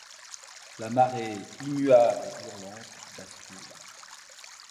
La marée, immuable et hurlante bascule